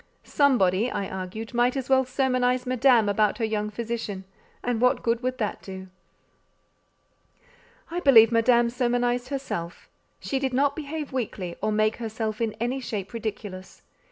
"Somebody," I argued, "might as well sermonize Madame about her young physician: and what good would that do?" I believe Madame sermonized herself. She did not behave weakly, or make herself in any shape ridiculous.